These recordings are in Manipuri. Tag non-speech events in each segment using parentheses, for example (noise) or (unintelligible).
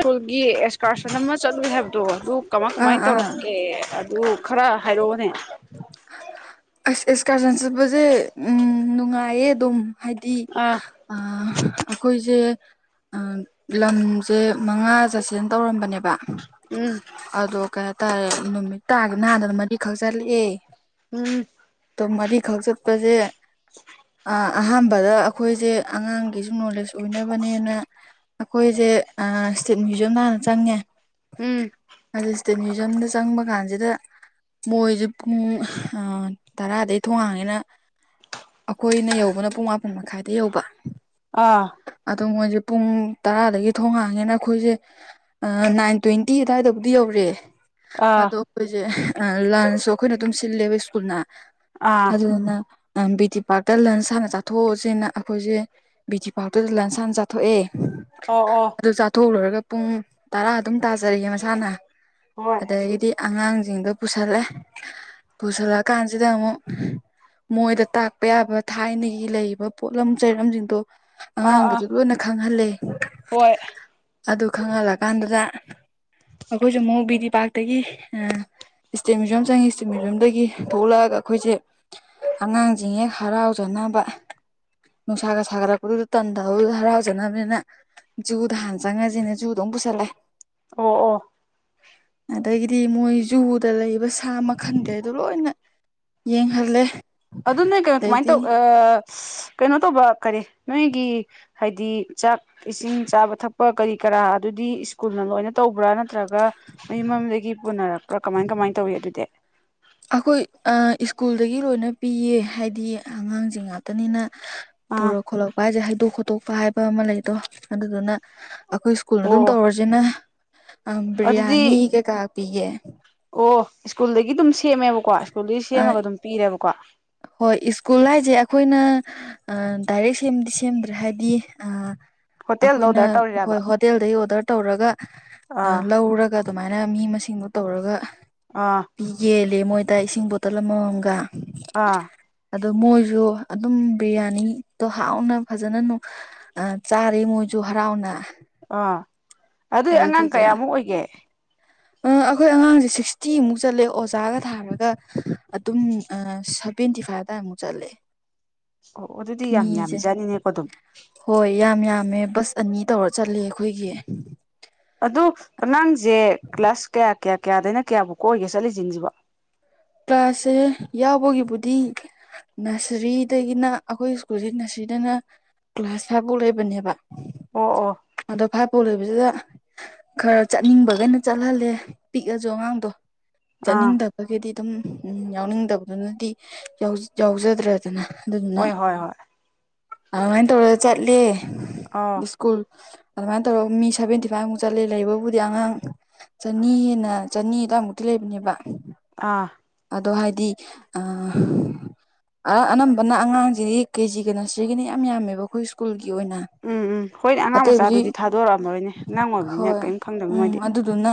ꯁ꯭ꯀꯨꯜꯒꯤ ꯑꯦꯛꯁꯀꯥꯔꯁꯟ ꯑꯃ ꯆꯠꯂꯨꯏ ꯍꯥꯏꯕꯗꯣ ꯑꯗꯨ ꯀꯃꯥꯏ ꯑꯥ ꯀꯃꯥꯏꯅ ꯑꯥ ꯇꯧꯔꯛꯀꯦ ꯑꯗꯨ ꯈꯔ ꯍꯥꯏꯔꯛꯑꯣꯅꯦ ꯑꯁ ꯑꯦꯁ ꯀꯥꯔꯖꯟ ꯆꯠꯄꯁꯦ ꯎꯝ ꯅꯨꯡꯉꯥꯏꯌꯦ ꯑꯗꯨꯝ ꯍꯥꯏꯗꯤ ꯑꯥ ꯑꯩꯈꯣꯏꯁꯦ ꯂꯝꯁꯦ ꯃꯉꯥ ꯆꯠꯁꯤꯅ ꯇꯧꯔꯝꯕꯅꯦꯕ ꯎꯝ ꯑꯗꯣ ꯀꯩꯍꯥꯢꯇꯥꯔꯦ ꯅꯨꯃꯤꯠ ꯇꯥꯗꯅ ꯃꯔꯤ ꯈꯛ ꯆꯠꯂꯛꯑꯦ ꯎꯝ ꯃꯔꯤꯈꯛ ꯆꯠꯄꯁꯦ (inaudible) ꯑꯍꯥꯟꯕꯗ ꯑꯩꯈꯣꯏꯁꯦ ꯑꯉꯥꯡꯒꯤꯁꯨ ꯅꯣꯂꯦꯖ ꯑꯣꯏꯅꯕꯅꯦꯅ ꯑꯩꯈꯣꯏꯁꯦ ꯏꯁ꯭ꯇꯦꯠ ꯃ꯭ꯌꯨꯖꯌꯝꯗ ꯍꯥꯟꯅ ꯆꯪꯉꯦ ꯎꯝ ꯃ꯭ꯌꯨꯖꯌꯝꯗ ꯆꯪꯕ ꯀꯥꯟꯁꯤꯗ ꯃꯣꯏꯁꯨ ꯄꯨꯡ ꯇꯔꯥꯗꯩ ꯊꯣꯡ ꯍꯥꯡꯉꯦꯅ ꯑꯩꯈꯣꯏꯅ ꯌꯧꯕꯅ ꯄꯨꯡ ꯃꯥꯄꯟ ꯃꯈꯥꯏꯗ ꯌꯧꯕ ꯑꯥ ꯑꯗꯨ ꯃꯣꯏꯖꯦ ꯄꯨꯡ ꯇꯔꯥꯗꯒꯤ ꯊꯣꯡ ꯍꯥꯡꯉꯦꯅ ꯑꯩꯈꯣꯏꯁꯦ ꯑ ꯅꯥꯏꯟ ꯇ꯭ꯋꯦꯟꯇꯤ ꯑꯗꯥꯏꯗꯕꯨꯗꯤ ꯌꯧꯔꯦ ꯑꯥ ꯑꯗꯣ ꯑꯩꯈꯣꯏꯁꯦ ꯑ ꯂꯟꯁꯨ ꯑꯩꯈꯣꯏꯅ ꯑꯗꯨꯝ ꯁꯤꯜꯂꯦꯕ ꯁ꯭ꯀꯨꯜꯅ ꯑꯥ ꯑꯗꯨꯗꯨꯅ ꯕꯤ ꯇꯤ ꯄꯥꯔꯛꯇ ꯂꯟꯁ ꯍꯥꯟꯅ ꯆꯥꯊꯣꯛꯑꯁꯤꯅ ꯑꯩꯈꯣꯏꯁꯦ ꯕꯤꯇꯤ ꯄꯥꯛꯇꯨꯗ ꯂꯟꯁ ꯍꯥꯟꯅ ꯆꯥꯊꯣꯛꯑꯦ ꯑꯣ ꯑꯣ ꯑꯗꯨ ꯆꯥꯊꯣꯛꯂꯣꯏꯔꯒ ꯄꯨꯡ ꯇꯔꯥ ꯑꯗꯨꯝ ꯇꯥꯖꯔꯛꯏ ꯃꯁꯥꯅ ꯍꯣꯏ ꯑꯗꯒꯤꯗꯤ ꯑꯉꯥꯡꯖꯤꯡꯗꯣ ꯄꯨꯁꯜꯂꯦ ꯄꯨꯁꯜꯂꯛꯀꯥꯟꯁꯤꯗ ꯑꯃꯨꯛ ꯃꯣꯏꯗ ꯇꯥꯛꯄ ꯌꯥꯕ ꯊꯥꯏꯅꯒꯤ ꯂꯩꯔꯤꯕ ꯄꯣꯠꯂꯝ ꯆꯩꯔꯝꯁꯤꯡꯗꯣ ꯑꯥ ꯑꯥ ꯑꯉꯥꯡꯒꯩꯗꯣ ꯂꯣꯏꯅ ꯈꯪꯍꯜꯂꯦ ꯍꯣꯏ ꯑꯗꯨ ꯈꯪꯍꯜꯂ ꯀꯥꯟꯗꯨꯗ ꯑꯩꯈꯣꯏꯁꯨ ꯑꯃꯧꯛ ꯕꯤꯗꯤ ꯄꯥꯛꯇꯒꯤ ꯏꯁꯇꯦꯠ ꯃ꯭ꯌꯨꯖꯌꯝ ꯆꯪꯉꯦ ꯏꯁꯇꯦꯠ ꯃ꯭ꯌꯨ꯭ꯌꯝꯗꯒꯤ ꯊꯣꯛꯂꯛꯑꯒ ꯑꯩꯈꯣꯏꯁꯦ ꯑꯉꯥꯡꯁꯤꯡ ꯍꯦꯛ ꯍꯔꯥꯎꯖꯅꯕ ꯅꯨꯡꯁꯥꯒ ꯁꯥꯒꯠꯔꯛꯄꯗꯨꯗ ꯇꯟꯗꯗꯅꯗ ꯍꯔꯥꯎꯖꯅꯕꯅꯤꯅ ꯖꯨꯗ ꯍꯥꯟꯅ ꯆꯪꯉꯁꯤꯅꯦ ꯖꯨꯝ ꯗ ꯑꯃꯨꯛ ꯄꯨꯁꯜꯂꯦ ꯑꯣ ꯑꯣ ꯑꯗꯒꯤꯗꯤ ꯃꯣꯏ ꯖꯨꯗ ꯗ ꯂꯩꯕ ꯁꯥ ꯃꯈꯥꯜ ꯈꯩꯗꯣ ꯂꯣꯏꯅꯥ ꯌꯦꯡꯍꯜꯂꯦ ꯑꯗꯨ ꯅꯣꯏ ꯀꯩꯅꯣ ꯀꯃꯥꯏꯅ ꯇꯧ ꯑꯗꯩꯗꯤ ꯀꯩꯅꯣ ꯇꯧꯕ ꯀꯔꯤ ꯅꯣꯏꯒꯤ ꯍꯥꯏꯗꯤ ꯆꯥꯛ ꯏꯁꯤꯡ ꯆꯥꯕ ꯊꯛꯄ ꯀꯔꯤ ꯀꯔꯥ ꯑꯗꯨꯗꯤ ꯁ꯭ꯀꯨꯜꯅ ꯂꯣꯏꯅ ꯇꯧꯕꯔ ꯅꯠꯇ꯭ꯔꯒ ꯃꯌꯨꯝ ꯃꯌꯨꯝꯗꯒꯤ ꯄꯨꯅꯔꯛꯄ꯭ꯔꯥ ꯀꯃꯥꯏ ꯀꯃꯥꯏꯅ ꯇꯧꯏꯤ ꯑꯗꯨꯗꯤ ꯑꯩꯈꯣꯏ ꯑ ꯁ꯭ꯀꯨꯜꯗꯒꯤ ꯂꯣꯏꯅ ꯄꯤꯌꯦ ꯍꯥꯏꯗꯤ ꯑꯉꯥꯡꯁꯤꯡ ꯉꯥꯛ ꯅꯤꯅ ꯑꯥ ꯄꯨꯔꯛ ꯈꯣꯠꯂꯛꯄ ꯍꯥꯏꯁꯦ ꯍꯩꯗꯣꯛ ꯈꯣꯠꯇꯣꯛꯄ ꯍꯥꯏꯕ ꯑꯃ ꯂꯩꯗꯣ ꯑꯗꯨꯗꯨꯅ ꯑꯩꯈꯣꯏ ꯁ꯭ꯀꯨꯜꯅ ꯑꯗꯨꯝ ꯑꯣ ꯇꯧꯔꯁꯤꯅ ꯑ ꯑꯗꯨꯗꯤ ꯕꯤꯔꯌꯥꯅꯤ ꯀꯩꯀꯥ ꯄꯤꯌꯦ ꯑꯣ ꯁ꯭ꯀꯨꯜꯗꯒꯤ ꯑꯗꯨꯝ ꯁꯦꯝꯃꯦꯕꯀꯣ ꯁ꯭ꯀꯨꯜꯗꯒꯤ ꯁꯦꯝꯃꯒ ꯑꯗꯨꯝ ꯄꯤꯔꯦꯕꯀꯣ ꯍꯣꯏ ꯁ꯭ꯀꯨꯜ ꯍꯥꯏꯖꯦ ꯑꯩꯈꯣꯏꯅ ꯑ ꯗꯥꯏꯔꯦꯛ ꯁꯦꯝꯗꯤ ꯁꯦꯝꯗ꯭ꯔꯦ ꯍꯥꯏꯗꯤ ꯑ ꯍꯣꯇꯦꯜꯗ ꯑꯩꯈꯣꯏꯅ ꯑꯣꯗꯔ ꯍꯣꯏ ꯇꯧꯔꯤꯔꯕ ꯍꯣꯇꯦꯜꯗꯒꯤ ꯑꯣꯗꯔ ꯇꯧꯔꯒ ꯑ ꯑꯥ ꯂꯧꯔꯒ ꯑꯗꯨꯃꯥꯏꯅ ꯃꯤ ꯃꯁꯤꯡꯗꯣ ꯇꯧꯔꯒ ꯑꯥ ꯌꯦꯜꯂꯦ ꯃꯣꯏꯗ ꯏꯁꯤꯡ ꯕꯣꯇꯜ ꯑꯃꯃꯝꯒ ꯑꯥ ꯑꯗꯣ ꯃꯣꯏꯖꯨ ꯑꯗꯨꯝ ꯕꯤꯔꯌꯥꯅꯤꯗꯣ ꯍꯥꯎꯅ ꯐꯖꯅ ꯑ ꯆꯥꯔꯦ ꯃꯣꯏꯖꯨ ꯍꯔꯥꯎꯅ ꯑꯥ ꯑꯗꯨꯏ ꯑꯉꯥꯡ ꯑꯗꯨꯗꯨꯗ ꯀꯌꯥꯃꯨꯛ ꯑꯣꯏꯒꯦ ꯑꯩꯈꯣꯏ ꯑꯉꯥꯡꯁꯦ ꯁꯤꯛꯁꯇꯤꯃꯨꯛ ꯆꯠꯂꯦ ꯑꯣꯖꯥꯒ ꯊꯥꯔꯒ ꯑꯗꯨꯝ ꯑ ꯚꯦꯟꯇꯤ ꯐꯥꯏꯠ ꯑꯗꯥꯏ ꯃꯨꯛ ꯆꯠꯂꯦ ꯑꯣ ꯑꯗꯨꯗꯤ ꯌꯥꯝ ꯃꯤꯁꯦ ꯌꯥꯝꯃꯤꯖꯥꯠꯅꯤꯅꯦꯀꯣ ꯑꯗꯨꯝ ꯍꯣꯏ ꯌꯥꯝ ꯌꯥꯝꯃꯦ ꯕꯁ ꯑꯅꯤ ꯇꯧꯔ ꯆꯠꯂꯦ ꯑꯩꯈꯣꯏꯒꯤ ꯑꯗꯨ ꯑꯉꯥꯡꯁꯦ ꯀ꯭ꯂꯥꯁ ꯀꯌꯥ ꯀꯌꯥ ꯀꯌꯥꯗꯩꯅ ꯀꯌꯥꯕꯨꯛ ꯀ ꯑꯣꯏꯒꯦ ꯆꯠꯂꯤꯖꯤꯡꯖꯤꯕꯣ ꯀ꯭ꯂꯥꯁꯁꯦ ꯌꯥꯎꯕꯒꯤꯕꯨꯗꯤ ꯅꯁꯔꯤꯗꯒꯤꯅ ꯑꯩꯈꯣꯏ ꯁ꯭ꯀꯨꯜꯁꯦ ꯅꯁꯔꯤꯗꯅ ꯀ꯭ꯂꯥꯁ ꯐꯥꯏꯚ ꯐꯧ ꯂꯩꯕꯅꯦꯕ ꯑꯣ ꯑꯣ ꯑꯗꯣ ꯐꯥꯏꯞ ꯄꯧ ꯂꯩꯕꯖꯤꯗ ꯈꯔ ꯆꯠꯅꯤꯡꯕꯒꯩꯅ ꯆꯠꯍꯜꯂꯦ ꯄꯤꯛꯑꯁꯨ ꯑꯉꯥꯡꯗꯣ ꯑꯥ ꯆꯠꯅꯤꯡꯗꯕꯒꯤꯗꯤ ꯑꯗꯨꯝ ꯑ ꯌꯥꯎꯅꯤꯡꯗꯕꯗꯨꯅꯗꯤ ꯌꯥꯎꯖꯗ꯭ꯔꯦꯗꯅ ꯑꯗꯨꯗꯨꯅ ꯍꯣꯏ ꯍꯣꯏ ꯍꯣꯏ ꯑꯗꯨꯃꯥꯏꯅ ꯇꯧꯔꯒ ꯆꯠꯂꯦ ꯑꯥ ꯁ꯭ꯀꯨꯜ ꯑꯗꯨꯃꯥꯏꯅ ꯇꯧꯔꯒ ꯃꯤ ꯁꯚꯦꯟꯇꯤ ꯐꯥꯏꯚ ꯃꯨꯛ ꯆꯠꯂꯦ ꯂꯩꯕꯕꯨꯗꯤ ꯑꯉꯥꯡ ꯆꯅꯤ ꯍꯦꯟꯅ ꯆꯅꯤ ꯑꯗꯨꯋꯥꯏꯃꯨꯛꯇꯤ ꯂꯩꯕꯅꯦꯕ ꯑꯥ ꯑꯗꯣ ꯍꯥꯏꯗꯤ ꯑ ꯑ ꯑꯅꯝꯕꯅ ꯑꯉꯥꯡꯖꯤꯗꯤ ꯀꯦꯖꯤꯒ ꯅꯁꯔꯤꯒꯅ ꯏꯌꯥꯝ ꯌꯥꯝꯃꯦꯕ ꯑꯩꯈꯣꯏ ꯁ꯭ꯀꯨꯜꯒꯤ ꯑꯣꯏꯅ ꯎꯝ ꯎꯝ ꯍꯣꯏꯅꯦ ꯑꯉꯥꯡ ꯑꯇꯩꯕꯨꯗꯤ ꯃꯆꯥꯗꯨꯗꯤ ꯊꯥꯗꯣꯔꯛꯑꯝꯃꯔꯣꯏꯅꯦ ꯑꯉꯥꯡ ꯑꯣꯏꯕꯅꯤꯅ ꯀꯩꯝ ꯈꯪꯗꯝꯅ ꯃꯣꯏꯗꯤ ꯑꯗꯨꯅ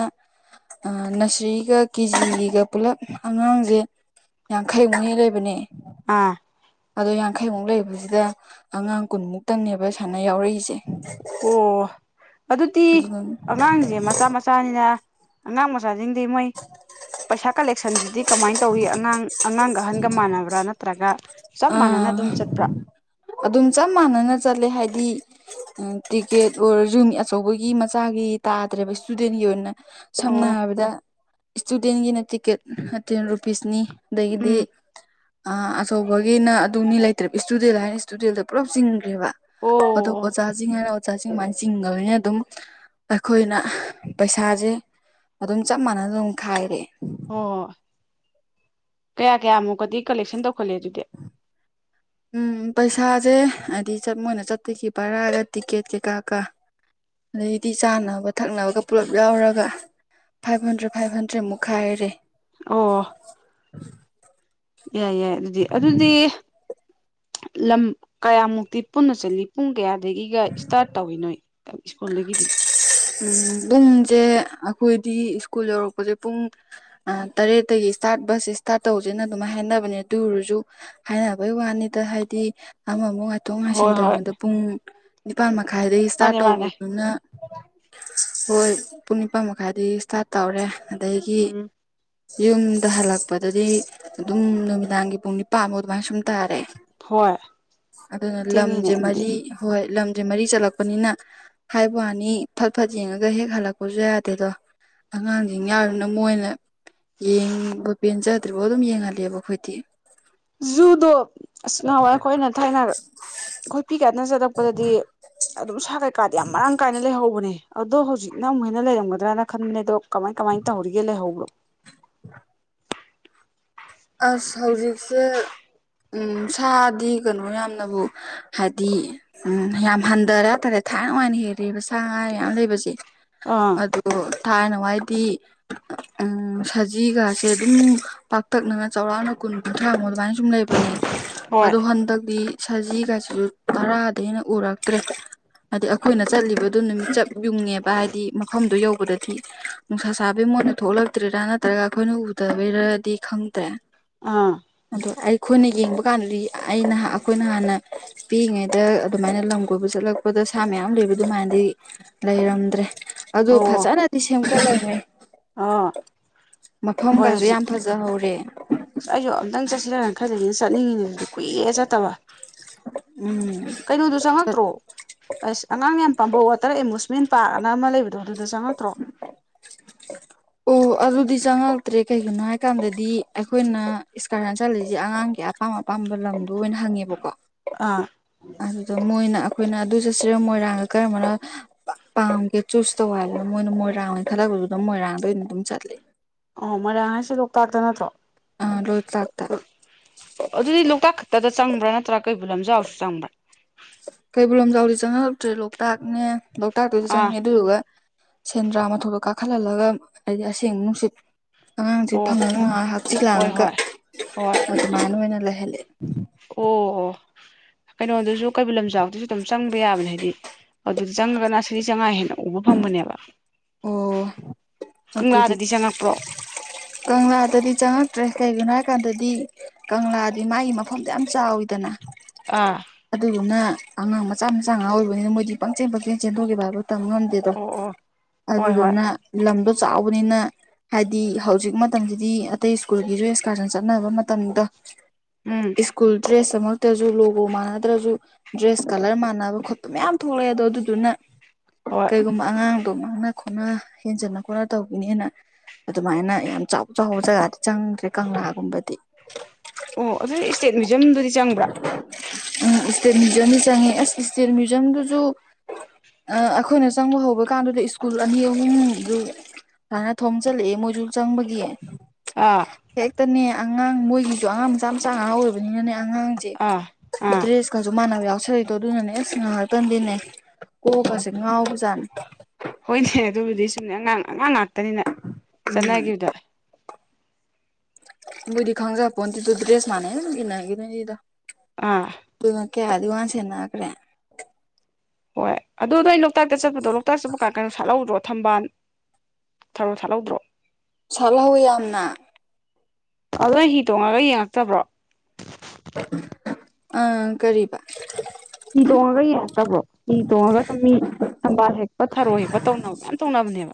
ꯑ ꯅꯁ꯭ꯔꯤꯒ ꯀꯦꯖꯤꯒꯤꯒ ꯄꯨꯂꯞ ꯑꯉꯥꯡꯖꯦ ꯌꯥꯡꯈꯩꯃꯨꯛ ꯍꯦꯟ ꯂꯩꯕꯅꯦ ꯑꯥ ꯑꯗꯣ ꯌꯥꯡꯈꯩꯃꯨꯛ ꯂꯩꯕꯖꯤꯗ ꯑꯉꯥꯡ ꯀꯨꯟꯃꯨꯛꯇꯡꯅꯦꯕ ꯁꯥꯏꯅ ꯌꯥꯎꯔꯛꯏꯖꯦ ꯑꯣ ꯑꯗꯨꯗꯤ ꯑꯗꯨꯝ ꯑꯉꯥꯡꯖꯦ ꯃꯆꯥ ꯃꯆꯥꯅꯤꯅ ꯑꯉꯥꯡ ꯃꯆꯥꯁꯤꯡꯗꯤ ꯃꯣꯏ ꯄꯩꯁꯥ ꯀꯂꯦꯛꯁꯟꯁꯤꯗꯤ ꯀꯃꯥꯏꯅ ꯇꯧꯋꯤ ꯑꯉꯥꯡ ꯑꯉꯥꯡꯒ ꯑꯍꯟꯒ ꯃꯥꯟꯅꯕ꯭ꯔꯥ ꯅꯠꯇ꯭ꯔꯒ ꯆꯞ ꯃꯥꯟꯅꯅ ꯑꯥ ꯑꯗꯨꯝ ꯆꯠꯄ꯭ꯔꯥ ꯑꯗꯨꯝ ꯆꯞ ꯃꯥꯟꯅꯅ ꯆꯠꯂꯦ ꯍꯥꯏꯗꯤ ꯇꯤꯀꯦꯠ ꯑꯣꯏꯔꯖꯨ ꯑꯆꯧꯕꯒꯤ ꯃꯆꯥꯒꯤ ꯇꯥꯗ꯭ꯔꯦꯕ ꯏꯁꯇꯨꯗꯦꯟꯒꯤ ꯑꯣꯏꯅ ꯁꯝꯅ ꯑꯣ ꯍꯥꯏꯔꯕꯗ ꯏꯁꯇꯨꯗꯦꯟꯒꯤꯅ ꯇꯤꯛꯀꯦꯠ ꯇꯦꯟ ꯔꯨꯄꯤꯁꯅꯤ ꯑꯗꯒꯤꯗꯤ ꯎꯝ ꯑ ꯑꯆꯧꯕꯒꯤꯅ ꯑꯗꯨꯅꯤ ꯂꯩꯇ꯭ꯔꯦꯕ ꯏꯁꯇꯨꯗꯦꯟꯗ ꯍꯥꯏꯔꯤ ꯏꯁꯇꯨꯗꯦꯜꯗ ꯄꯨꯂꯞ ꯆꯤꯡꯒ꯭ꯔꯦꯕ ꯑꯣ ꯑꯗꯣ ꯑꯣ ꯍꯣꯏ ꯑꯣꯖꯥꯁꯤꯡ ꯍꯥꯏꯔ ꯑꯣꯖꯥꯁꯤꯡ ꯑꯗꯨꯃꯥꯏꯅ ꯆꯤꯡꯒ꯭ꯔꯃꯤꯅ ꯑꯗꯨꯝ ꯑꯩꯈꯣꯏꯅ ꯄꯩꯁꯥꯁꯦ ꯑꯗꯨꯝ ꯆꯞ ꯃꯥꯅꯅ ꯑꯗꯨꯝ ꯈꯥꯏꯔꯦ ꯑꯣ ꯀꯌꯥ ꯀꯌꯥꯃꯨꯛꯀꯗꯤ ꯀꯂꯦꯛꯁꯟ ꯇꯧꯈꯠꯂꯤ ꯑꯗꯨꯗꯤ ꯎꯝ ꯄꯩꯁꯥꯖꯦ ꯍꯥꯏꯗꯤ ꯆꯠ ꯃꯣꯏꯅ ꯆꯠꯇꯣꯏꯁꯤ ꯕꯔꯥꯒ ꯇꯤꯛꯀꯦꯠ ꯀꯩꯀꯥ ꯒ ꯑꯗꯩꯗꯤ ꯆꯥꯅꯕ ꯊꯛꯅꯕꯒ ꯄꯨꯂꯞ ꯌꯥꯎꯔꯒ ꯐꯥꯏꯚ ꯍꯟꯗ꯭ꯔꯦꯟꯠ ꯐꯥꯏꯚ ꯍꯟꯗ꯭ꯔꯦꯟꯠꯃꯨꯛ ꯈꯥꯏꯔꯦ ꯑꯣ ꯌꯥꯏ ꯌꯥꯏ ꯑꯗꯨꯗꯤ ꯑꯗꯨꯗꯤ ꯂꯝ ꯀꯌꯥꯃꯨꯛꯇꯤ ꯄꯨꯟꯅ ꯆꯠꯂꯤ ꯄꯨꯡ ꯀꯌꯥ ꯁꯤꯗꯒꯤꯒ ꯏꯁꯇꯥꯔꯠ ꯇꯧꯋꯤ ꯅꯣꯏ ꯁ꯭ꯀꯨꯜꯗꯒꯤꯗꯤ ꯎꯝ ꯄꯨꯡꯖꯦ ꯑꯈꯣꯏꯗꯤ ꯁ꯭ꯀꯨꯜ ꯌꯧꯔꯛꯄꯖꯦ ꯄꯨꯡ ꯑ ꯇꯔꯦꯠꯇꯒꯤ ꯏꯁꯇꯥꯔꯠ ꯕꯁꯖꯦ ꯏꯁꯇꯥꯔꯠ ꯇꯧꯖꯦꯅ ꯑꯗꯨꯃꯥꯏ ꯍꯥꯏꯅꯕꯅꯦ ꯑꯗꯨ ꯑꯣꯏꯔꯖꯨ ꯍꯥꯏꯅꯕꯩ ꯋꯥꯅꯤꯗ ꯍꯥꯏꯗꯤ ꯑꯃꯃꯨꯛ ꯉꯥꯏꯊꯣꯛ ꯉꯥꯏꯁꯤꯟ ꯍꯣꯏ ꯍꯣꯏ ꯇꯧꯔꯤꯉꯩꯗ ꯄꯨꯡ ꯅꯤꯄꯥꯥꯟ ꯃꯈꯥꯏꯗꯩ ꯏꯁꯇꯥꯔꯠ ꯃꯥꯅꯦ ꯃꯥꯅꯦ ꯇꯧꯕꯗꯨꯅ ꯍꯣꯏ ꯄꯨꯡ ꯅꯤꯄꯥꯟ ꯃꯈꯥꯏꯗꯩ ꯏꯁꯇꯥꯔꯠ ꯇꯧꯔꯦ ꯑꯗꯒꯤ ꯎꯝ ꯌꯨꯝꯗ ꯍꯜꯂꯛꯄꯗꯗꯤ ꯑꯗꯨꯝ ꯅꯨꯃꯤꯗꯥꯡꯒꯤ ꯄꯨꯡ ꯅꯤꯄꯥꯟꯃꯨꯛ ꯑꯗꯨꯃꯥꯏ ꯁꯨꯝ ꯇꯥꯔꯦ ꯍꯣꯏ ꯑꯗꯨꯅ ꯊꯦꯡꯉꯤꯅꯦ ꯂꯝꯖꯦ ꯑꯗꯨꯗꯤ ꯃꯔꯤ ꯍꯣꯏ ꯂꯝꯖꯦ ꯃꯔꯤ ꯆꯠꯂꯛꯄꯅꯤꯅ ꯍꯥꯏꯕ ꯋꯥꯅꯤ ꯐꯠ ꯐꯠ ꯌꯦꯡꯉꯒ ꯍꯦꯛ ꯍꯜꯂꯛꯄꯖꯨ ꯌꯥꯗꯦꯗꯣ ꯑꯉꯥꯡꯖꯤꯡ ꯌꯥꯎꯔꯤꯝꯅꯤꯅ ꯃꯣꯏꯅ ꯌꯦꯡꯕ ꯄꯦꯟꯖꯗ꯭ꯔꯤꯕꯧ ꯑꯗꯨꯝ ꯌꯦꯡꯍꯜꯂꯦꯕ ꯑꯩꯈꯣꯏꯗꯤ ꯖꯨꯗꯣ ꯑꯁ ꯉꯍꯥꯟꯋꯥꯏ ꯑꯩꯈꯣꯏꯅ ꯊꯥꯏꯅ ꯑꯈꯣꯏ ꯄꯤꯛꯏ ꯀꯥꯟꯗ ꯆꯠꯂꯛꯄꯗꯗꯤ ꯑꯗꯨꯝ ꯁꯥ ꯀꯩꯀꯥꯗꯤ ꯌꯥꯝ ꯃꯔꯥꯡ ꯀꯥꯏꯅ ꯂꯩꯍꯧꯕꯅꯦ ꯑꯗꯣ ꯍꯧꯖꯤꯛꯅ ꯑꯃꯨꯛ ꯍꯦꯟꯅ ꯂꯩꯔꯝꯒꯗ꯭ꯔꯅ ꯈꯟꯕꯅꯦ ꯑꯗꯣ ꯀꯃꯥꯏ ꯀꯃꯥꯏ ꯇꯧꯍꯧꯔꯤꯒꯦ ꯂꯩꯍꯧꯕ꯭ꯔꯣ (inaudible) ꯑꯁ ꯍꯧꯖꯤꯛꯁꯦ ꯎꯝ ꯁꯥꯗꯤ ꯀꯩꯅꯣ ꯌꯥꯝꯅꯕꯨ ꯍꯥꯏꯗꯤ ꯎꯝ ꯌꯥꯝ ꯍꯟꯗꯔꯦ ꯍꯥꯏꯇꯥꯔꯦ ꯊꯥꯏꯅꯋꯥꯏꯅ ꯍꯦꯜꯂꯦꯕ ꯁꯥ ꯃꯌꯥꯝ ꯂꯩꯕꯁꯦ ꯑ ꯑꯗꯣ ꯊꯥꯏꯅꯋꯥꯥꯏꯗꯤ ꯎꯝ ꯁꯖꯤꯒꯥꯁꯦ ꯑꯗꯨꯝ ꯄꯥꯛ ꯄꯥꯛꯇꯛꯅꯅ ꯆꯥꯎꯔꯥꯛꯅ ꯀꯨꯟ ꯀꯨꯟꯊ꯭ꯔꯥꯃꯨꯛ ꯑꯗꯨꯃꯥꯏ ꯁꯨꯝ ꯂꯩꯕꯅꯦ ꯍꯣꯏ ꯑꯗꯣ ꯍꯟꯗꯛꯇꯤ ꯁꯖꯤꯒꯥꯁꯤꯁꯨ ꯇꯔꯥꯗꯩ ꯍꯦꯟꯅ ꯎꯔꯛꯇ꯭ꯔꯦ ꯑꯗꯩ ꯑꯈꯣꯏꯅ ꯆꯠꯂꯤꯕꯗꯨ ꯅꯨꯃꯤꯠ ꯆꯞ ꯌꯨꯡꯉꯦꯕ ꯍꯥꯏꯗꯤ ꯃꯐꯝꯗꯣ ꯌꯧꯕꯗꯗꯤ ꯅꯨꯡꯁꯥ ꯁꯥꯕꯩ ꯃꯣꯏꯅ ꯊꯣꯛꯂꯛꯇ꯭ꯔꯤꯔꯥ ꯅꯠꯇ꯭ꯔꯒ ꯑꯩꯈꯣꯏꯅ ꯎꯗꯕꯩꯔꯗꯤ ꯈꯪꯗ꯭ꯔꯦ ꯑꯥ ꯑꯗꯣ ꯑꯩꯈꯣꯏꯅ ꯌꯦꯡꯕ ꯀꯥꯟꯗꯗꯤ ꯑꯩꯅ ꯍꯥꯟ ꯑꯩꯈꯣꯏꯅ ꯍꯥꯟꯅ ꯄꯤꯛꯏꯉꯩꯗ ꯑꯗꯨꯃꯥꯏꯅ ꯂꯝ ꯀꯣꯏꯕ ꯆꯠꯂꯛꯄꯗ ꯁꯥ ꯃꯌꯥꯝ ꯂꯩꯕ ꯑꯗꯨꯃꯥꯏꯅꯗꯤ ꯂꯩꯔꯝꯗ꯭ꯔꯦ ꯑꯗꯨ ꯑꯣ ꯐꯖꯅꯗꯤ ꯁꯦꯝꯒꯠꯂꯝꯃꯦ ꯑꯥ ꯍꯣꯏ ꯃꯐꯝꯒꯁꯨ ꯍꯧꯖꯤꯛ ꯌꯥꯝ ꯐꯖꯩ ꯆꯍꯔꯦ ꯑꯁ ꯑꯩꯁꯨ ꯑꯝꯇꯪ ꯆꯠꯁꯤꯔꯅ ꯈꯔꯗꯅ ꯆꯠꯅꯤꯡꯉꯤꯅꯦ ꯑꯗꯨꯗꯤ ꯀꯨꯏꯔꯦ ꯆꯠꯇꯕ ꯎꯝ ꯀꯩꯅꯣꯗꯨꯣ ꯆꯪꯉꯛꯇ꯭ꯔꯣ ꯑꯁ ꯑꯉꯥꯡ ꯌꯥꯝ ꯄꯥꯝꯕ ꯋꯥꯇꯔ ꯑꯦꯃꯨꯁꯃꯦꯟ ꯄꯥꯔꯛ ꯑꯅ ꯑꯃ ꯂꯩ ꯑꯗꯣ ꯑꯗꯨꯗ ꯆꯪꯉꯛꯇ꯭ꯔꯣ꯫ (unintelligible) ꯑꯣ ꯑꯗꯨꯗꯤ ꯆꯪꯉꯛꯇ꯭ꯔꯦ ꯀꯩꯒꯤꯅꯣ ꯍꯥꯏꯀꯥꯟꯗꯗꯤ ꯑꯩꯈꯣꯏꯅ ꯏꯁꯀꯥꯔꯁꯟ ꯆꯠꯂꯤꯖꯦ ꯑꯉꯥꯡꯒꯤ ꯑꯄꯥꯝ ꯑꯄꯥꯝꯕ ꯂꯝꯗꯣ ꯑꯣꯏꯅ ꯍꯪꯉꯦꯕꯀꯣ ꯑꯥ ꯑꯗꯨꯗ ꯃꯣꯏꯅ ꯑꯩꯈꯣꯏꯅ ꯑꯗꯨ ꯆꯠꯁꯤꯔ ꯃꯣꯏꯔꯥꯡꯒ ꯀꯔꯝꯕꯅꯣ ꯄꯥꯝꯒꯦ ꯆꯨꯁ ꯇꯧ ꯍꯥꯏꯕꯗ ꯃꯣꯏꯅ ꯃꯣꯏꯔꯥꯡ ꯑꯣꯏꯅ ꯈꯜꯂꯛꯄꯗꯨꯗ ꯃꯣꯏꯔꯥꯡꯗ ꯑꯣꯏꯅ ꯑꯗꯨꯝ ꯆꯠꯂꯦ ꯑꯣ ꯃꯣꯏꯔꯥꯡ ꯍꯥꯏꯁꯤ ꯂꯣꯛꯇꯥꯛꯇ ꯅꯠꯇ꯭ꯔꯣ꯫ ꯑ ꯔꯣꯜ ꯂꯥꯛꯇꯔ ꯑꯗꯨꯗꯤ ꯂꯣꯛꯇꯥꯛ ꯈꯛꯇꯗ ꯆꯪꯕ꯭ꯔꯥ ꯅꯠꯇ꯭ꯔꯥ ꯀꯩꯕꯨꯜ ꯂꯝꯖꯥꯎꯔꯁꯨ ꯆꯪꯕ꯭ꯔꯥ ꯀꯩꯕꯨꯜ ꯂꯝꯖꯥꯎꯗꯤ ꯆꯪꯉꯔꯛꯇ꯭ꯔꯦ ꯂꯣꯛꯇꯥꯛꯅꯦ ꯂꯣꯛꯇꯥꯛꯇꯨꯁꯨ ꯑꯥ ꯆꯪꯉꯦ ꯑꯗꯨꯗꯨꯒ ꯁꯦꯟꯗ꯭ꯔꯥ ꯃꯊꯣꯛꯇ ꯀꯥꯈꯠꯍꯜꯂꯒ ꯍꯥꯏꯗꯤ ꯑꯁꯦꯡꯕ ꯅꯨꯡꯁꯤꯠ ꯑꯉꯥꯡꯁꯦ ꯑꯣ ꯐꯪꯅꯅꯅꯨꯡꯉꯥꯏ ꯍꯛꯆꯤ ꯍꯣꯏ ꯂꯥꯡꯒ ꯍꯣꯏ ꯍꯣꯏ ꯑꯗꯨꯃꯥꯏꯅ ꯑꯣꯏꯅ ꯂꯩꯍꯜꯂꯦ ꯑꯣ ꯑꯣ ꯀꯩꯅꯣꯗꯨꯁꯨ ꯀꯩꯕꯨꯜ ꯂꯝꯖꯥꯎꯇꯁꯨ ꯑꯗꯨꯝ ꯆꯪꯕ ꯌꯥꯕꯅꯦ ꯍꯥꯏꯗꯤ ꯑꯗꯨꯗ ꯆꯪꯉꯒꯅꯁꯨꯗꯤ ꯆꯪꯉꯛ ꯍꯦꯅꯣ ꯎꯕ ꯐꯪꯕꯅꯦꯕ ꯑꯣ ꯑꯗꯨꯗꯤ ꯀꯪꯂꯥꯗꯗꯤ ꯆꯪꯉꯛꯄ꯭ꯔꯣ ꯀꯪꯂꯥꯗꯗꯤ ꯆꯪꯉꯛꯇ꯭ꯔꯦ ꯀꯩꯒꯤꯅꯣ ꯍꯥꯏ ꯀꯥꯟꯗꯗꯤ ꯀꯪꯂꯥꯗꯤ ꯃꯥꯒꯤ ꯃꯐꯝꯁ ꯌꯥꯝ ꯆꯥꯎꯋꯤꯗꯅ ꯑꯥ ꯑꯗꯨꯒꯨꯝꯅ ꯑꯉꯥꯡ ꯃꯆꯥ ꯃꯆꯥ ꯉꯥ ꯑꯣꯏꯕꯅꯤꯅ ꯃꯣꯏꯗꯤ ꯄꯪꯆꯦꯟ ꯄꯪꯆꯦꯟ ꯆꯦꯟꯊꯣꯛꯀꯈꯤꯕ ꯍꯥꯏꯕ ꯃꯇꯝ ꯑꯗꯨꯗꯣ ꯑꯣ ꯑꯣ ꯍꯣꯏ ꯍꯣꯏ ꯑꯗꯨꯗꯨꯅ ꯂꯝꯗꯣ ꯆꯥꯎꯕꯅꯤꯅ ꯍꯥꯏꯗꯤ ꯍꯧꯖꯤꯛ ꯃꯇꯝꯁꯤꯗꯤ ꯑꯇꯩ ꯁ꯭ꯀꯨꯜꯒꯤꯁꯨ ꯑꯦꯛꯁꯀꯔꯁꯟ ꯆꯠꯅꯕ ꯃꯇꯝꯗ ꯎꯝ ꯁ꯭ꯀꯨꯜ ꯗ꯭ꯔꯦꯁ ꯑꯃ ꯇ꯭ꯔꯖꯁꯨ ꯂꯣꯒꯣ ꯃꯥꯟꯅꯗ꯭ꯔꯁꯨ ꯗ꯭ꯔꯦꯁ ꯀꯂꯔ ꯃꯥꯟꯅꯕ ꯈꯣꯠꯄ ꯃꯌꯥꯝ ꯊꯣꯛꯂꯛꯑꯦ ꯑꯗꯣ ꯑꯗꯨꯗꯨꯅ ꯍꯣꯏ ꯀꯩꯒꯨꯝꯕ ꯑꯉꯥꯡꯗꯣ ꯃꯥꯡꯅ ꯈꯣꯠꯅ ꯍꯦꯟꯖꯟꯅ ꯈꯣꯠꯅ ꯇꯧꯕꯈꯤꯅꯦꯅ ꯑꯗꯨꯃꯥꯏꯅ ꯌꯥꯝ ꯆꯥꯎ ꯆꯥꯎꯕ ꯖꯒꯥꯗꯤ ꯆꯪꯗ꯭ꯔꯦ ꯀꯪꯂꯥꯒꯨꯝꯕꯗꯤ ꯑꯣ ꯑꯗꯨ ꯏꯁꯇꯦꯠ ꯃ꯭ꯌꯨꯖꯌꯝꯗꯨꯗꯤ ꯆꯪꯕ꯭ꯔꯥ ꯎꯝ ꯏꯁꯇꯦꯠ ꯃ꯭ꯌꯨꯖꯌꯝꯗꯤ ꯆꯪꯉꯦ ꯑꯁ ꯏꯁꯇꯦꯠ ꯃ꯭ꯌꯨꯖꯌꯝꯗꯨꯁꯨ ꯑꯩꯈꯣꯏꯅ ꯆꯪꯕ ꯍꯧꯕ ꯀꯥꯟꯗꯨꯗ ꯁ꯭ꯀꯨꯜ ꯑꯅꯤ ꯑꯍꯨꯝꯗꯨ ꯍꯥꯟꯅ ꯊꯣꯝ ꯆꯜꯂꯛꯑꯦ ꯃꯣꯏꯁꯨ ꯆꯪꯕꯒꯤ ꯑꯥ ꯍꯦꯛꯇꯅꯦ ꯑꯉꯥꯡ ꯃꯣꯏꯒꯤꯗꯣ ꯑꯉꯥꯡ ꯃꯆꯥ ꯃꯆꯥ ꯉꯍꯥ ꯑꯣꯏꯕꯅꯤꯅꯅꯦ ꯑꯉꯥꯡꯁꯦ ꯑꯥ ꯑꯥ ꯗ꯭ꯔꯦꯁꯀꯁꯨ ꯃꯥꯟꯅꯕ ꯌꯥꯎꯁꯜꯂꯛꯏꯗꯣ ꯑꯗꯨꯅꯅꯦ ꯑꯁ ꯉꯥꯏꯍꯥꯛꯇꯪꯗꯤꯅꯦ ꯀꯣꯛꯀꯁꯦ ꯉꯥꯎꯁꯦ ꯆꯝ ꯍꯣꯏꯅꯦ ꯑꯗꯨꯕꯨꯗꯤ ꯁꯨꯝꯅꯦ ꯑꯉꯥꯡ ꯑꯉꯥꯡ ꯉꯥꯛꯇꯅꯤꯅ ꯎꯝ ꯆꯠꯅꯈꯤꯕꯗ ꯕꯨꯔꯤ ꯈꯪꯖꯄꯣꯅꯤ ꯇꯤꯕꯨ ꯗ꯭ꯔꯦꯁ ꯃꯥꯅꯦ ꯀꯅ ꯀꯅ ꯇꯤꯗ ꯑꯥ ꯑꯗꯨꯃ ꯀꯦ ꯑꯗꯨ ꯋꯥ ꯆꯟꯅꯥꯛ꯭ꯔꯦ ꯍꯣꯏ ꯑꯗꯨꯗ ꯑꯩꯩꯅ ꯂꯣꯛꯇꯥꯛꯇ ꯆꯠꯄꯗꯣ ꯂꯣꯛꯇꯥꯛ ꯆꯠꯄ ꯀꯥ ꯀꯩꯅꯣ ꯁꯥꯠꯍꯧꯗ꯭ꯔꯣ ꯊꯝꯕꯥꯜ ꯊꯧꯔꯣ ꯊꯠꯍꯗ꯭ꯔꯣ ꯁꯥꯠꯍꯧꯋꯤ ꯌꯥꯝꯅ ꯑꯗꯣ ꯍꯤ ꯇꯣꯡꯉꯒ ꯌꯦꯡꯉꯛꯇꯕ꯭ꯔꯣ ꯑꯥ ꯀꯔꯤꯔꯤꯕ ꯍꯤ ꯇꯣꯡꯉꯒ ꯌꯦꯡꯉꯛꯇꯕ꯭ꯔꯣ ꯍ ꯇꯣꯡꯉꯒ ꯁꯨꯝ ꯃꯤ ꯊꯝꯕꯥꯜ ꯍꯦꯛꯄ ꯊꯔꯣ ꯍꯦꯛꯄ ꯇꯧꯅꯕ ꯃꯌꯥꯝ ꯇꯧꯅꯕꯅꯦꯕ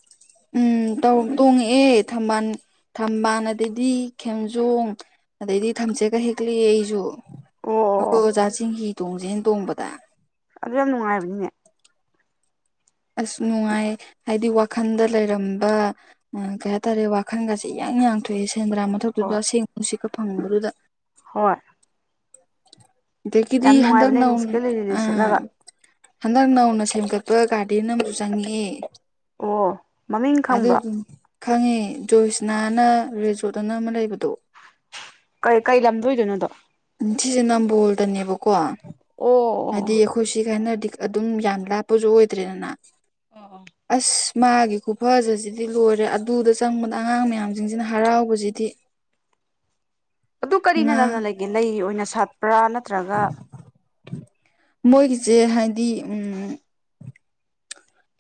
ꯎꯝ ꯇꯣꯡꯉꯛꯑꯦ ꯊꯝꯕꯥꯜ ꯊꯝꯕꯥꯜ ꯑꯗꯨꯗꯗꯤ ꯈꯦꯝꯝꯖꯣꯡ ꯑꯗꯩꯗꯤ ꯊꯝꯁꯦꯒ ꯍꯦꯛꯂꯤꯑ ꯑꯩꯁꯨ ꯑꯣ ꯑꯩꯈꯣꯏ ꯑꯣ ꯑꯣꯖꯥꯁꯤꯡꯍꯤꯤ ꯇꯣꯡꯁꯦꯅ ꯇꯣꯡꯕꯗ ꯑꯗꯨ ꯌꯥꯝ ꯅꯨꯡꯉꯥꯏꯕꯅꯤꯅꯦ ꯑꯁ ꯅꯨꯡꯉꯥꯏ ꯍꯥꯏꯗꯤ ꯋꯥꯈꯜꯗ ꯂꯩꯔꯝꯕ ꯀꯩ ꯍꯥꯏꯇꯥꯔꯦ ꯋꯥꯈꯟꯒꯁꯦ ꯌꯥꯡ ꯌꯥꯡꯊꯣꯛꯑꯦ ꯁꯦꯟꯗ꯭ꯔꯥ ꯃꯊꯛꯇꯨꯗ ꯍꯣꯏ ꯑꯁꯦꯡꯕ ꯅꯨꯡ ꯁꯤꯛꯀ ꯐꯪꯕꯗꯨꯗ ꯍꯣꯏ ꯑꯗꯒꯤꯗꯤ ꯌꯥꯝ ꯍꯟꯗꯛ ꯅꯨꯡꯉꯥꯏꯕꯅꯦ ꯅ ꯅꯨꯡꯁꯤꯠꯀ ꯂꯤꯔꯤ ꯂꯤꯔꯤ ꯑ ꯁꯤꯠꯂꯒ ꯍꯟꯗꯛ ꯅꯧꯅ ꯁꯦꯝꯒꯠꯄ ꯒꯥꯔꯗꯅ ꯑꯃꯁꯨ ꯆꯪꯉꯦ ꯑꯣ ꯃꯃꯤꯡ ꯈꯪꯕ꯭ꯔꯣ ꯑꯗꯨꯗ ꯈꯪꯉꯦ ꯖꯣꯏꯁꯅꯥꯅ ꯔꯔꯤꯖꯣꯠ ꯑꯅ ꯑꯃ ꯂꯩꯕꯗꯣ ꯀꯩ ꯀꯩ ꯂꯝꯗꯣꯏꯗꯣꯏꯅꯣꯗꯣ ꯁꯤꯁꯦ ꯅꯝꯕꯣꯜꯗꯅꯦꯕꯀꯣ ꯑꯣ ꯑꯣ ꯍꯥꯏꯗꯤ ꯑꯣ ꯑꯩꯈꯣꯏ ꯁꯤ ꯀꯥꯏꯅꯔꯗꯤ ꯑꯗꯨꯝ ꯌꯥꯝ ꯂꯥꯞꯄꯁꯨ ꯑꯣꯏꯗ꯭ꯔꯦꯗꯅ ꯑꯣ ꯑꯣ ꯑꯁ ꯃꯥꯒꯤ ꯈꯨꯐꯖꯁꯤꯗꯤ ꯂꯣꯏꯔꯦ ꯑꯗꯨꯗ ꯆꯪꯕꯗ ꯑꯉꯥꯡ ꯃꯌꯥꯝꯁꯤꯡꯁꯤꯅ ꯍꯔꯥꯎꯕꯁꯤꯗꯤ (unintelligible) ꯑꯗꯨ ꯀꯔꯤꯅ ꯉꯥ ꯅꯅ ꯂꯩꯒꯦ ꯂꯩ ꯑꯣꯏꯅ ꯁꯥꯠꯄ꯭ꯔꯥ ꯅꯠꯇ꯭ꯔꯒ ꯃꯣꯏꯒꯤꯁꯦ ꯍꯥꯏꯗꯤ ꯎ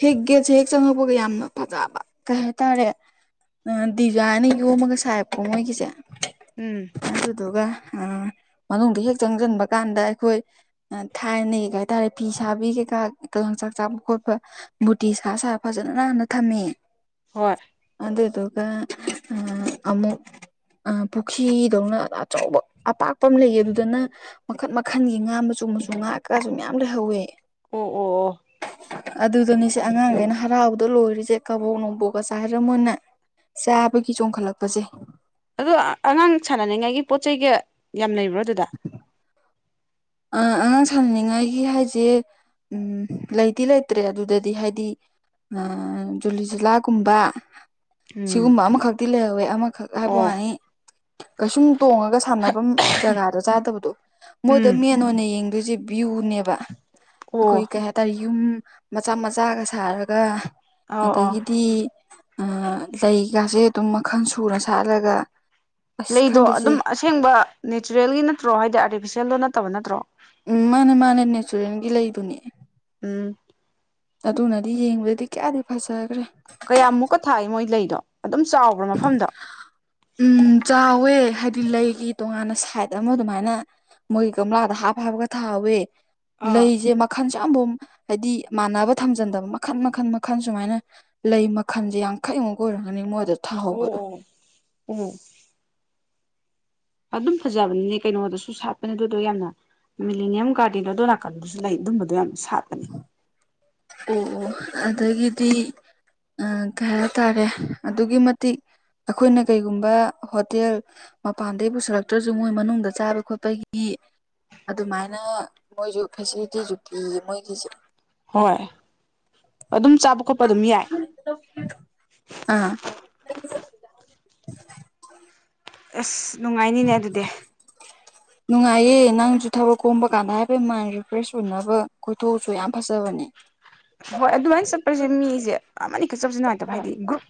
ꯍꯦꯛ ꯒꯦꯠꯁꯦ ꯍꯦꯛ ꯆꯪꯉꯛꯄꯒ ꯌꯥꯝꯅ ꯐꯖꯕ ꯀꯩ ꯍꯥꯏꯇꯥꯔꯦ ꯗꯤꯖꯥꯏꯅ ꯌꯣꯝꯃꯒ ꯁꯥꯏꯞꯀꯣ ꯃꯣꯏꯒꯤꯁꯦ ꯎꯝ ꯑꯗꯨꯗꯨꯒ ꯃꯅꯨꯡꯗ ꯍꯦꯛ ꯆꯪꯁꯤꯟꯕ ꯀꯥꯟꯗ ꯑꯩꯈꯣꯏ ꯊꯥꯏꯅꯩ ꯀꯩ ꯀꯩ ꯍꯥꯏꯇꯥꯔꯦ ꯐꯤ ꯁꯥꯕꯤ ꯀꯩꯀꯥꯀ ꯂꯝꯥꯡ ꯆꯥꯛ ꯆꯥꯕ ꯈꯣꯠꯄ ꯕꯨꯣꯇꯤ ꯁꯥ ꯁꯥ ꯐꯖꯅ ꯅꯥꯟꯅ ꯊꯝꯃꯦ ꯍꯣꯏ ꯑꯗ ꯇꯒ ꯑꯃꯨ ꯄꯨꯈ꯭ꯔꯤꯗꯧꯅ ꯑꯆꯧꯕ ꯑꯄꯥꯛꯄ ꯑꯃ ꯂꯩꯌꯦ ꯑꯗꯨꯗꯅ ꯃꯈꯟ ꯃꯈꯟꯒꯤ ꯉꯥ ꯃ ꯆꯨꯝꯕꯁꯨ ꯉꯥꯛꯀꯁꯨ ꯃꯌꯥꯝ ꯂꯩꯍꯧꯋꯦ ꯑꯣ ꯑꯣ ꯑꯣ ꯑꯗꯨꯗꯨꯅꯤꯁꯦ ꯑꯉꯥꯡꯈꯩꯅ ꯍꯔꯥꯎꯕꯗꯣ ꯂꯣꯏꯔꯤꯁꯦ ꯀꯕꯣꯛ ꯅꯨꯡꯕꯣꯛꯀ ꯆꯥꯏ ꯍꯥꯏꯔꯝꯃꯣꯏꯅꯦ ꯆꯥꯕꯒꯤ ꯆꯣꯡꯈꯠꯂꯛꯄꯁꯦ ꯑꯗꯣ ꯑꯉꯥꯡ ꯁꯥꯟꯅꯅꯤꯡꯉꯥꯏꯒꯤ ꯄꯣꯠ ꯆꯩꯒ ꯌꯥꯝ ꯂꯩꯕ꯭ꯔꯣ ꯑꯗꯨꯗ ꯑ ꯑꯉꯥꯡ ꯁꯥꯟꯅꯅꯤꯡꯉꯥꯏꯒꯤ ꯍꯥꯏꯁꯦ ꯎꯝ ꯂꯩꯇꯗꯤ ꯂꯩꯇ꯭ꯔꯦ ꯑꯗꯨꯗꯗꯤ ꯍꯥꯏꯗꯤ ꯑ ꯖꯨꯂꯤ ꯂꯥꯒꯨꯝꯕ ꯎꯝ ꯁꯤꯒꯨꯝꯕ ꯑꯃꯈꯛꯇꯤ ꯂꯩꯍꯧꯋꯦ ꯑꯃꯈꯛ ꯍꯥꯏꯕ ꯑꯣ ꯃꯥꯅꯤ ꯀꯩꯁꯨꯝ ꯇꯣꯡꯉꯒ ꯁꯥꯟꯅꯐꯝ ꯖꯒꯥꯗ ꯆꯥꯗꯕꯗꯣ ꯑꯗ ꯎꯝ ꯃꯦꯟ ꯑꯣꯏꯅ ꯌꯦꯡꯗꯣꯏꯁꯦ ꯚ꯭ꯌꯨꯅꯦꯕ ꯑꯩꯈꯣꯏ ꯑꯣ ꯀꯩ ꯍꯥꯏꯇꯥꯔꯦ ꯌꯨꯝ ꯃꯆꯥ ꯃꯆꯥꯒ ꯁꯥꯔꯒ ꯑꯣ ꯑꯣ ꯑꯗꯒꯤꯗꯤ ꯂꯩꯒꯥꯁꯦ ꯑꯗꯨꯝ ꯃꯈꯜ ꯁꯨꯔ ꯁꯥꯠꯂꯒ ꯑꯁ ꯂꯩꯗꯣ ꯈꯪꯗꯦꯁꯦ ꯑꯗꯨꯝ ꯑꯁꯦꯡꯕ ꯅꯦꯆꯔꯦꯜꯒꯤ ꯅꯠꯇ꯭ꯔꯣ ꯍꯥꯏꯗꯤ ꯑꯥꯔꯇꯤꯐꯤꯁꯦꯜꯗꯣ ꯅꯠꯇꯕ ꯅꯠꯇ꯭ꯔꯣ ꯎꯝ ꯃꯥꯅꯦ ꯃꯥꯅꯦ ꯅꯦꯆꯔꯦꯜꯒꯤ ꯂꯩꯗꯨꯅꯦ ꯎꯝ ꯑꯗꯨꯅꯗꯤ ꯌꯦꯡꯕꯗꯗꯤ ꯀꯌꯥꯗꯤ ꯐꯖꯈ꯭ꯔꯦ ꯀꯌꯥꯃꯨꯛꯀ ꯊꯥꯏ ꯃꯣꯏ ꯂꯩꯗꯣ ꯑꯗꯨꯝ ꯆꯥꯎꯕ꯭ꯔꯥ ꯃꯐꯝꯗꯣ ꯎꯝ ꯆꯥꯎꯋꯦ ꯍꯥꯏꯗꯤ ꯂꯩꯒꯤ ꯇꯣꯉꯥꯟꯅ ꯁꯥꯏꯠ ꯑꯃ ꯑꯗꯨꯃꯥꯏꯅ ꯃꯣꯏ ꯀꯪꯂꯒꯝꯂꯥꯗ ꯍꯥꯞ ꯍꯥꯞꯒ ꯊꯥꯎꯋꯦ ꯑꯥ ꯂꯩꯁꯦ ꯃꯈꯟꯁꯨ ꯌꯥꯝꯐ ꯍꯥꯏꯗꯤ ꯃꯥꯟꯅꯕ ꯊꯝꯖꯤꯟꯗꯕ ꯃꯈꯟ ꯃꯈꯟ ꯃꯈꯟ ꯁꯨꯃꯥꯏꯅ ꯂꯩ ꯃꯈꯟꯁꯦ ꯌꯥꯡꯈꯩ ꯑꯃꯨꯛ ꯑꯣꯏꯔꯒꯅꯤ ꯃꯣꯏꯗ ꯊꯥꯍꯧꯕꯗꯣ ꯎꯝ ꯑꯗꯨꯝ ꯐꯖꯕꯅꯤꯅꯦ ꯀꯩꯅꯣꯗꯁꯨ ꯁꯥꯠꯄꯅꯦ ꯑꯗꯨꯗꯣ ꯌꯥꯝꯅ ꯃꯦꯂꯦꯅꯤꯌꯝ ꯒꯥꯔꯗꯦꯟ ꯑꯗꯣ ꯅꯥꯀꯟꯗꯨꯁꯨ ꯂꯩ ꯑꯗꯨꯝꯕꯗꯣ ꯌꯥꯝ ꯁꯥꯠꯄꯅꯦ ꯑꯣ ꯑꯣ ꯑꯗꯒꯤꯗꯤ ꯀꯩ ꯍꯥꯏꯇꯥꯔꯦ ꯑꯗꯨꯛꯒꯤ ꯃꯇꯤꯛ ꯑꯩꯈꯣꯏꯅ ꯀꯩꯒꯨꯝꯕ ꯍꯣꯇꯦꯜ ꯃꯄꯥꯟꯗꯩ ꯄꯨꯁꯤꯜꯂꯛꯇ꯭ꯔꯁꯨ ꯃꯣꯏ ꯃꯅꯨꯡꯗ ꯆꯥꯕ ꯈꯣꯠꯄꯒꯤ ꯑꯗꯨꯃꯥꯏꯅ ꯃꯣꯏꯁꯨ ꯐꯦꯁꯤꯂꯤꯇꯤꯁꯨ ꯄꯤꯌꯦ ꯃꯣꯏꯒꯤꯁꯦ ꯍꯣꯏ ꯑꯗꯨꯝ ꯆꯥꯕ ꯈꯣꯠꯄ ꯑꯗꯨꯝ ꯌꯥꯏ ꯑꯥ ꯑꯁ ꯅꯨꯡꯉꯥꯏꯅꯤꯅꯦ ꯑꯗꯨꯗꯤ (inaudible) ꯅꯨꯡꯉꯥꯏꯌꯦ ꯅꯪꯁꯨ ꯊꯕꯛ ꯀꯣꯝꯕ ꯀꯥꯟꯗ ꯍꯥꯏꯕꯗꯤ ꯃꯥꯏꯟ ꯔꯤꯐ꯭ꯔꯦꯁ ꯑꯣꯏꯅꯕ ꯀꯣꯏꯊꯣꯛꯑꯁꯨ ꯌꯥꯝ ꯐꯖꯕꯅꯦ ꯍꯣꯏ ꯑꯗꯨꯃꯥꯏꯅ ꯆꯠꯄꯁꯦ ꯃꯤꯁꯦ ꯑꯃꯅꯤ ꯈꯛ ꯆꯠꯁꯦ ꯅꯨꯡꯉꯥꯏꯇꯕ ꯍꯥꯏꯗꯤ ꯒ꯭ꯔꯨꯞ